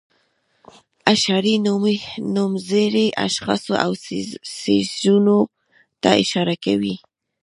اشاري نومځري اشخاصو او څیزونو ته اشاره کوي.